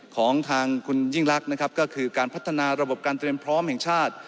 ของทางคุณยิ่งรักนะครับก็คือการพัฒนาระบบการเตรียมพร้อมแห่งชาติ